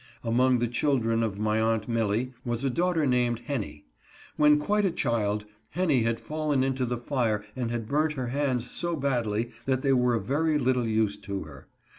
Among the children of my Aunt Milly was a daughter named Henny. When quite a child, Henny had fallen into the fire and had burnt her hands so badly that they were of very little use to her.